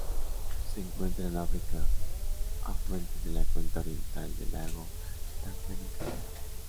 Se encuentran en África: afluentes de la cuenca oriental del lago Tanganika.